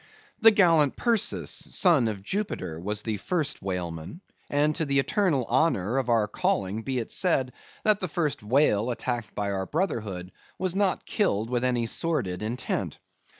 The gallant Perseus, a son of Jupiter, was the first whaleman; and to the eternal honor of our calling be it said, that the first whale attacked by our brotherhood was not killed with any sordid intent.